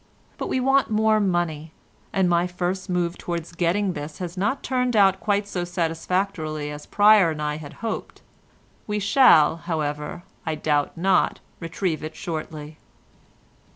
But we want more money, and my first move towards getting this has not turned out quite so satisfactorily as Pryer and I had hoped; we shall, however, I doubt not, retrieve it shortly."